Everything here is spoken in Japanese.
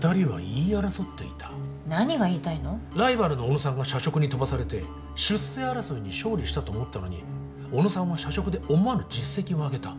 ライバルの小野さんが社食に飛ばされて出世争いに勝利したと思ったのに小野さんは社食で思わぬ実績を上げた。